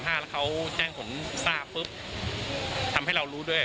แล้วเขาแจ้งขนทราบทำให้เรารู้ด้วย